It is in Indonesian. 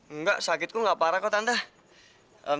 enggak sakitku gak parah kok tanda